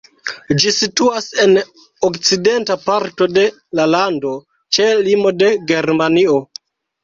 Ĝi situas en okcidenta parto de la lando ĉe limo de Germanio.